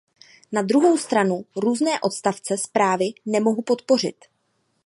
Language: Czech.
Na druhou stranu různé odstavce zprávy nemohu podpořit.